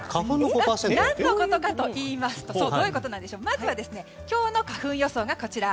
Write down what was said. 何のことかといいますとまずは今日の花粉予想がこちら。